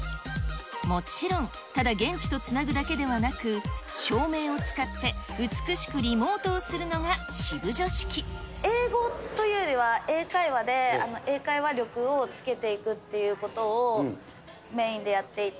もちろん、ただ現地とつなぐだけではなく、照明を使って、美しくリモートを英語というよりは、英会話で、英会話力をつけていくっていうことをメインでやっていて。